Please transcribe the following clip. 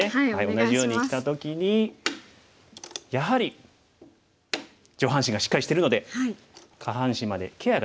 同じようにきた時にやはり上半身がしっかりしてるので下半身までケアができますよね。